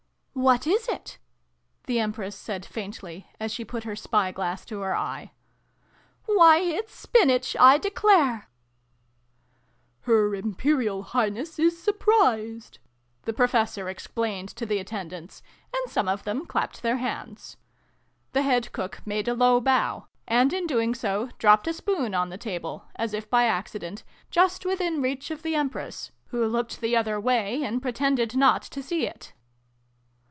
" What is it ?" the Empress said faintly, as she put her spy glass to her eye. " Why, it's Spinach, I declare !"" Her Imperial Highness is surprised," the Professor explained to the attendants : and some of them clapped their hands. The Head Cook made a low bow, and in doing so dropped a spoon on the table, as if by accident, just within reach of the Empress, who looked the other way and pretended not to see it.